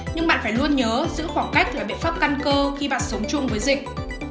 nhưng bạn phải luôn nhớ giữ khoảng cách là biện pháp căn cơ khi bạn sống chung với dịch